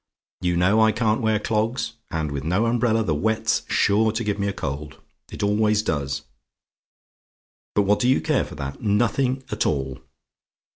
You know I can't wear clogs; and with no umbrella, the wet's sure to give me a cold it always does. But what do you care for that? Nothing at all.